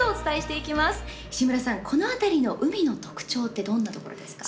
石村さんこの辺りの海の特徴ってどんなところですか？